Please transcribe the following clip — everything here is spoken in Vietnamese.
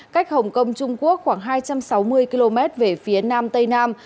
cách hồng kông trung quốc khoảng hai trăm sáu mươi km về phía nam tây nam